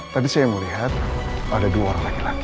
tadi saya mau lihat ada dua orang laki laki